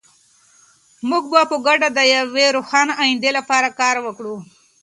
موږ به په ګډه د یوې روښانه ایندې لپاره کار وکړو.